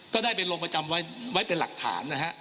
ก็ได้ไปลงประจำไว้เป็นหลักฐานนะฮะ